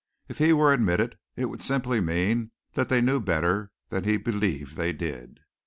If he were admitted it would simply mean that they knew better than he believed they did.